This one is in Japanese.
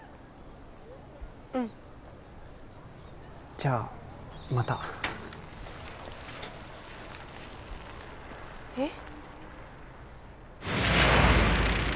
うんじゃあまたえっ？